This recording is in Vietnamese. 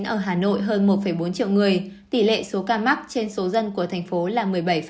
ở hà nội hơn một bốn triệu người tỷ lệ số ca mắc trên số dân của thành phố là một mươi bảy